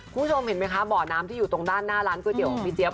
คุณผู้ชมเห็นไหมคะบ่อน้ำที่อยู่ตรงด้านหน้าร้านก๋วเตี๋ของพี่เจี๊ย